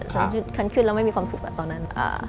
ฉันขึ้นแล้วไม่มีความสุขตอนนั้น